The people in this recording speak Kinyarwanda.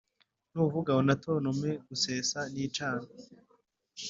Nuvuga unatontome gusesa nicana